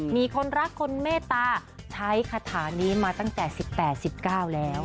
มีคนรักคนเมตตาใช้คาถานี้มาตั้งแต่๑๘๑๙แล้ว